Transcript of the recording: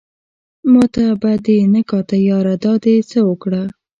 ماته به دې نه کاته ياره دا دې څه اوکړه